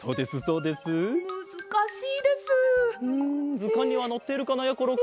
ずかんにはのっているかなやころくん。